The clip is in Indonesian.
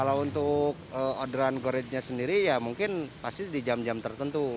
kalau untuk orderan goridge nya sendiri ya mungkin pasti di jam jam tertentu